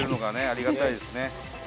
ありがたいですね。